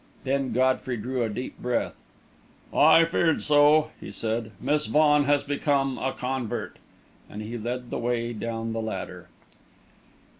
Then Godfrey drew a deep breath. "I feared so!" he said. "Miss Vaughan has become a convert!" And he led the way down the ladder.